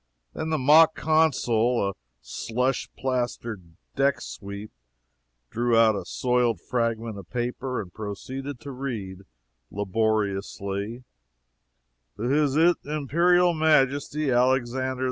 Then the mock consul, a slush plastered deck sweep, drew out a soiled fragment of paper and proceeded to read, laboriously: "To His Imperial Majesty, Alexander II.